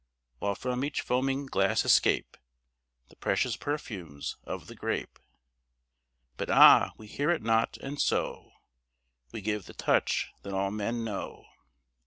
While from each foaming glass escape The precious perfumes of the grape. But ah, we hear it not, and so We give the touch that all men know.